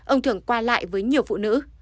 ông thường qua lại với nhiều phụ nữ